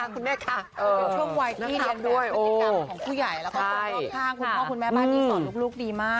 ช่วงวัยที่นั่งแผ่นพฤติกรรมของผู้ใหญ่คุณพ่อคุณแม่บ้านนี้สอนลูกดีมาก